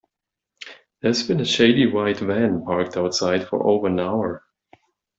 There's been a shady white van parked outside for over an hour.